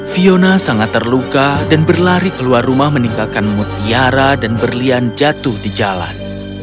fiona sangat terluka dan berlari keluar rumah meninggalkan mutiara dan berlian jatuh di jalan